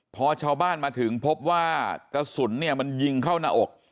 พอชาวบ้านมาถึงพบว่ากระสุนเนี่ยมันยิงเข้าหน้าอก